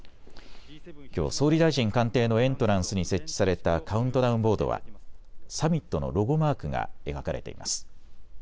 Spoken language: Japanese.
きょう総理大臣官邸のエントランスに設置されたカウントダウンボードはサミットのロゴマークが描かれています。